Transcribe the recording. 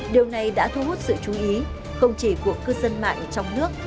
điều này đã thu hút sự chú ý không chỉ của cư dân mạng trong nước